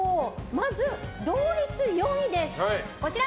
まず、同率４位です。